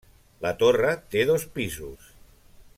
La torre té dos pisos.